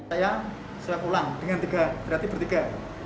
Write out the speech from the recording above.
saya pulang dengan tiga berarti bertiga